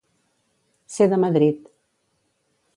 Ser de Madrid.